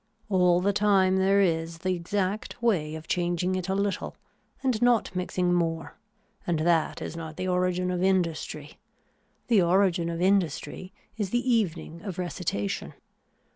All the time there is the exact way of changing it a little and not mixing more and that is not the origin of industry, the origin of industry is the evening of recitation.